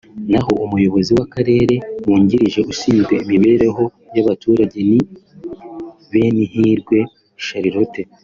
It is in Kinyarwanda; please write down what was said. naho Umuyobozi w’Akarere wungirije ushinzwe Imibereho y’Abaturage ni Benihirwe Charlotte